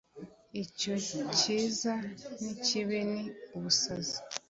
Icyo cyiza nikibi ni ubusazi